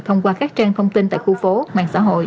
thông qua các trang thông tin tại khu phố mạng xã hội